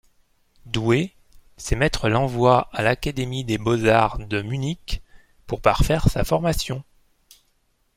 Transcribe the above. Doué, ses maîtres l'envoient à l'Académie des beaux-arts de Munich pour parfaire sa formation.